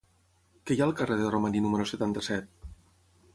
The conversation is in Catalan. Què hi ha al carrer de Romaní número setanta-set?